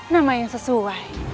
nama yang sesuai